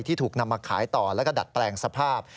ถูกนำมาขายต่อแล้วก็ดัดแปลงสภาพ